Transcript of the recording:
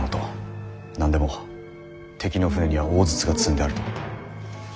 何でも敵の船には大筒が積んであると。